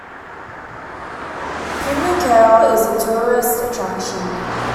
Pamukkale is a tourist attraction.